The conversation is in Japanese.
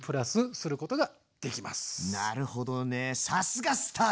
さすがスターだね。